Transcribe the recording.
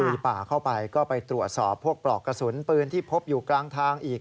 ป่าเข้าไปก็ไปตรวจสอบพวกปลอกกระสุนปืนที่พบอยู่กลางทางอีก